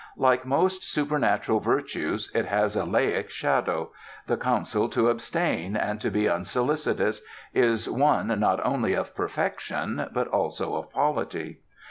Like most supernatural virtues, it has a laic shadow; the counsel to abstain, and to be unsolicitous, is one not only of perfection, but also of polity.